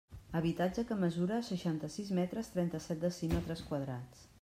Habitatge que mesura seixanta-sis metres, trenta-set decímetres quadrats.